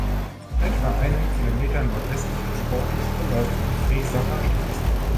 Etwa einen Kilometer nordwestlich des Orts verläuft die Friesacher Straße.